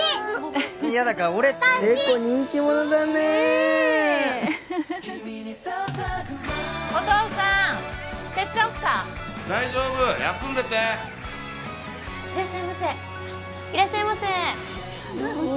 いやだから俺って笑子人気者だねお父さん手伝おっか大丈夫休んでていらっしゃいませいらっしゃいませおいし